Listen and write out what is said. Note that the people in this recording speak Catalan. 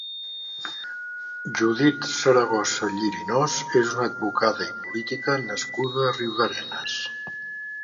Judit Zaragoza Llirinós és una advocada i política nascuda a Riudarenes.